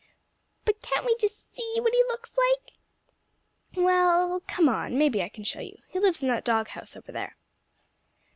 "But can't we just see what he looks like?" "Well—come on; maybe I can show you. He lives in that dog house over there."